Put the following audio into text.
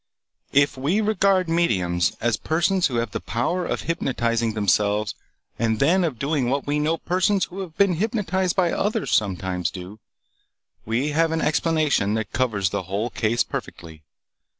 If we regard mediums as persons who have the power of hypnotizing themselves and then of doing what we know persons who have been hypnotized by others sometimes do, we have an explanation that covers the whole case perfectly.